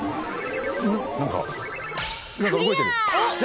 何か何か動いてる。